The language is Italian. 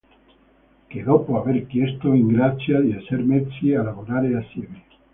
Che dopo aver chiesto in grazia di esser messi a lavorare assieme.